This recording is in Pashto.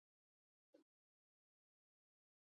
ازادي راډیو د د کار بازار په اړه پراخ بحثونه جوړ کړي.